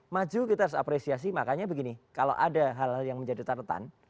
maju kita harus apresiasi makanya begini kalau ada hal hal yang menjadi catatan